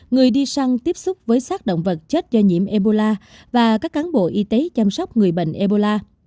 người đi săn tiếp xúc với sát động vật chết do nhiễm ebola và các cán bộ y tế chăm sóc người bệnh ebola